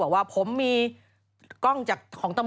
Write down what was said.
เพราะว่าตอนนี้ก็ไม่มีใครไปข่มครูฆ่า